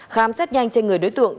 khám xét nhanh trên người đối tượng